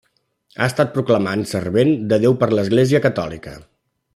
Ha estat proclamant servent de Déu per l'Església catòlica.